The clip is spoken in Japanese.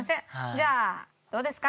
じゃあどうですか？